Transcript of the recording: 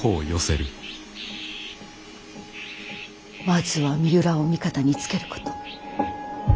まずは三浦を味方につけること。